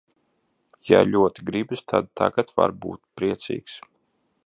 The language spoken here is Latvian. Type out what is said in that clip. Ja ļoti gribas, tad tagad var būt priecīgs.